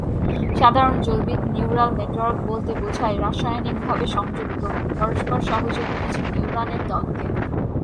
সাধারণত জৈবিক neural network বলতে বোঝায় রাসায়নিক ভাবে সংযুক্ত, পরস্পর সহযোগী কিছু নিউরন এর দলকে।